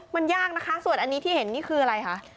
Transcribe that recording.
มันยากนะคะส่วนอันนี้ที่เห็นนี่คืออะไรคะ